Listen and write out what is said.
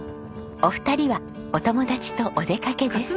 お二人はお友達とお出かけです。